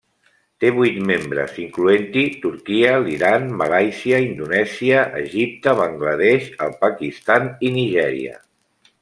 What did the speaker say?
Té vuit membres, incloent-hi Turquia, l'Iran, Malàisia, Indonèsia, Egipte, Bangla Desh, el Pakistan i Nigèria.